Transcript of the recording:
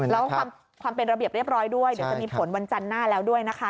แล้วความเป็นระเบียบเรียบร้อยด้วยเดี๋ยวจะมีผลวันจันทร์หน้าแล้วด้วยนะคะ